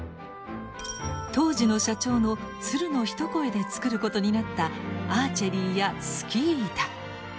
当時の社長の鶴の一声で作ることになったアーチェリーやスキー板。